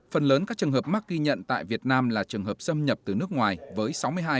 phần lớn các trường hợp mắc ghi nhận tại việt nam là trường hợp xâm nhập từ nước ngoài với sáu mươi hai